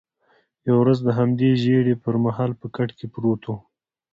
یوه ورځ د همدې ژېړي پر مهال په کټ کې پروت وم.